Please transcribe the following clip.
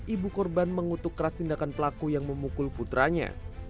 ibu korban mengutuk keras tindakan pelaku yang memukul putranya